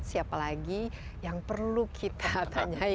siapa lagi yang perlu kita tanyai